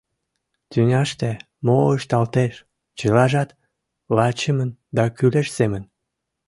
Тӱняште мо ышталтеш — чылажат лачымын да кӱлеш семын.